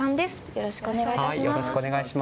よろしくお願いします。